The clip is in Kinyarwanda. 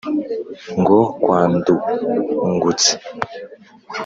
ngo: kwa ndungutse